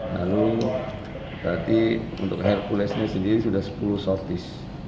lalu berarti untuk herculesnya sendiri sudah sepuluh sortis